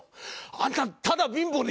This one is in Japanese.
あんたはただ貧乏で。